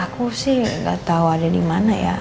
aku sih gak tau ada dimana ya